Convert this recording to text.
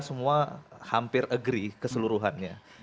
semua hampir agree keseluruhannya